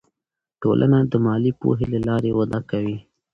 ټولنه د مالي پوهې له لارې وده کوي.